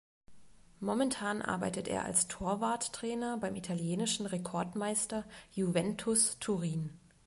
Momentan arbeitet er als Torwarttrainer beim italienischen Rekordmeister Juventus Turin.